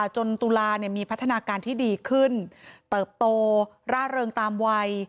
ตุลามีพัฒนาการที่ดีขึ้นเติบโตร่าเริงตามวัย